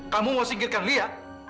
kamu mau singkirkan li ya